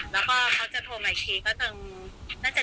แล้วเขาจะโทรมาอีกทีก็จงน่าจะ๗วัน